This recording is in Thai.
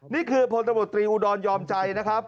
นี่คือพตอุดรยอมใจนะครับ